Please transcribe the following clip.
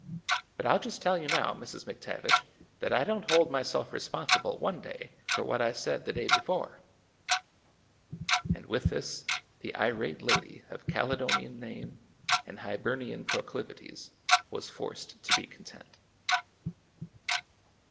But I 'll just tell you now, Mrs. McTavish, that I don't hold myself responsible one day for what I said the day before!" And with this the irate lady of Caledonian name and Hibernian proclivities was forced to be content.